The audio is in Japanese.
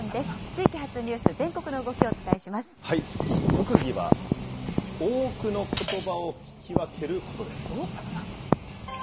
地域発ニュース、全国の動きをお特技は多くのことばを聞き分けることです。